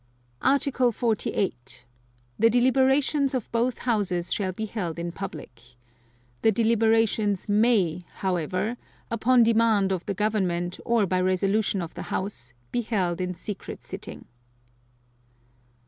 Article 48. The deliberations of both Houses shall be held in public. The deliberations may, however, upon demand of the Government or by resolution of the House, be held in secret sitting.